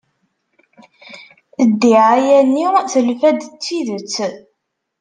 Ddiɛaya-nni telfa-d d tidet.